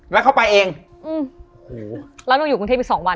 แล้วเข้าไปเองแล้วหนูอยู่กรุงเทพอีก๒วัน